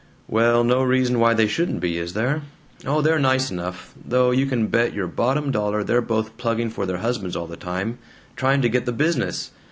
"Well, no reason why they shouldn't be, is there? Oh, they're nice enough though you can bet your bottom dollar they're both plugging for their husbands all the time, trying to get the business.